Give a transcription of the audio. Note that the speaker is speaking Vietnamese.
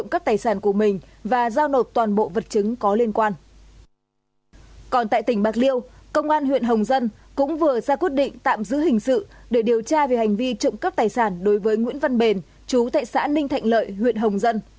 công an huyện hồng dân cũng vừa ra quyết định tạm giữ hình sự để điều tra về hành vi trộm cấp tài sản đối với nguyễn văn bền chú tại xã ninh thạnh lợi huyện hồng dân